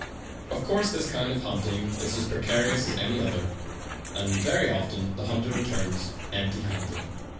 Of course this kind of hunting is as precari ous as any other, and very often the hunter returns empty handed.